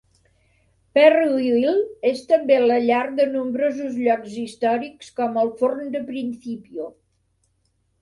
Perryville és també la llar de nombrosos llocs històrics com el forn de principio.